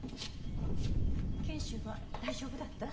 賢秀は大丈夫だった？